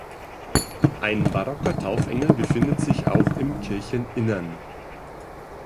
Ein barocker Taufengel befindet sich auch im Kircheninnern.